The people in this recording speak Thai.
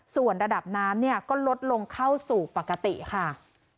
ส่วนระดับน้ำเนี่ยก็ลดลงเข้าสู่ปกติค่ะ